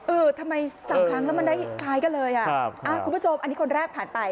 เออทำไมสามครั้งแล้วมันได้คล้ายกันเลยอ่ะคุณผู้ชมอันนี้คนแรกผ่านไป